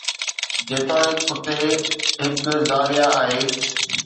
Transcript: جيتوڻيڪ اتي هڪ زاويه آهي.